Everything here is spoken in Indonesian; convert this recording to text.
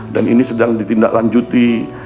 dan ini sedang ditindaklanjuti